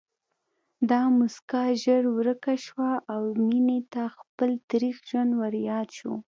دا مسکا ژر ورکه شوه او مينې ته خپل تريخ ژوند ورياد شو